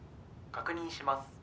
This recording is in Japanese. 確認します。